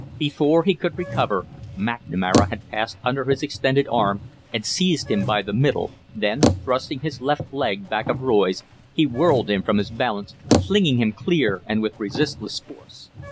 Before he could recover, McNamara had passed under his extended arm and seized him by the middle, then, thrusting his left leg back of Roy's, he whirled him from his balance, flinging him clear and with resistless force.